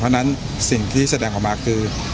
เพราะฉะนั้นสิ่งที่แสดงออกมาคือ